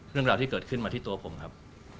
เรื่องราวที่เกิดขึ้นมาที่ตัวผมครับ